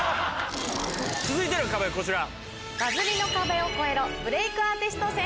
続いての壁はこちら。